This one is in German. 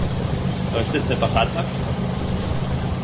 Läuft es separat ab?